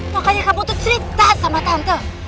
makanya kamu tuh cerita sama tante